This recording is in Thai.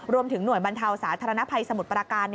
รวมถึงหน่วยบรรเทาสาธารณภัยสมุทรปราการ